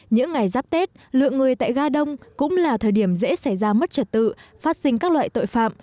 những ngày giáp tết lượng người tại ga đông cũng là thời điểm dễ xảy ra mất trật tự phát sinh các loại tội phạm